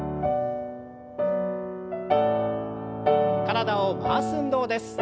体を回す運動です。